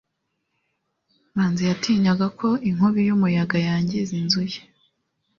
manzi yatinyaga ko inkubi y'umuyaga yangiza inzu ye